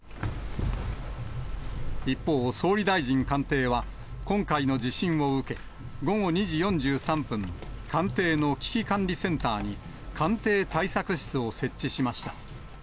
一方、総理大臣官邸は、今回の地震を受け、午後２時４３分、官邸の危機管理センターに、官邸対策室を設置しました。